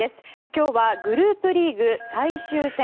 今日はグループリーグ最終戦。